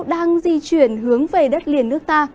đang di chuyển hướng về đất liền nước ta